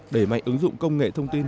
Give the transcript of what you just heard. để mạnh ứng dụng công nghệ thông tin